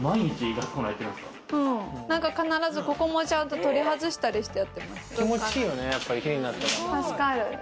必ず、ここも取り外したりしてやってます。